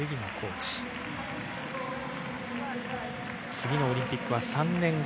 次のオリンピックは３年後。